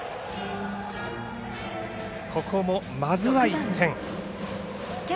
ここも、まずは１点。